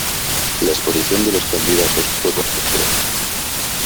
La exposición de los candidatos fue por sorteo.